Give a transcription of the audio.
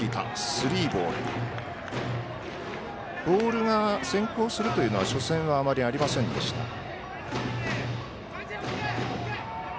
ボールが先行するというのは初戦は、あまりありませんでした。